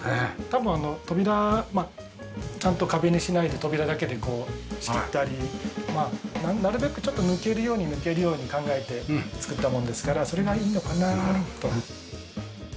多分あの扉ちゃんと壁にしないで扉だけでこう仕切ったりまあなるべくちょっと抜けるように抜けるように考えて作ったものですからそれがいいのかなと。